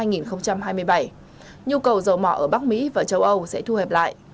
nhu cầu dầu mỏ ở bắc mỹ và châu âu sẽ thu hẹp lại